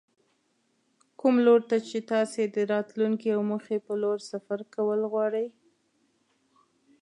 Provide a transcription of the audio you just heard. کوم لور ته چې تاسې د راتلونکې او موخې په لور سفر کول غواړئ.